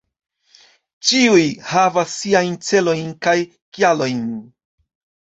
Ĉiuj havas siajn celojn, kaj kialojn.